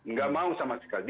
nggak mau sama sekali